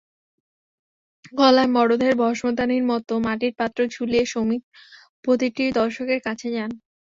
গলায় মরদেহের ভস্মদানির মতো মাটির পাত্র ঝুলিয়ে সুমিত প্রতিটি দর্শকের কাছে যান।